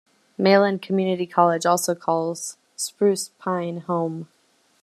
Mayland Community College also calls Spruce Pine home.